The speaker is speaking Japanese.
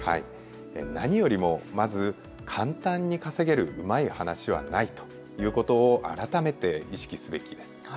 何よりもまず簡単に稼げるうまい話はないということを改めて意識すべきです。